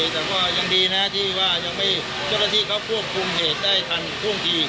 แต่ก็ยังดีนะที่ว่ายังไม่เจ้าหน้าที่เขาควบคุมเหตุได้ทันท่วงที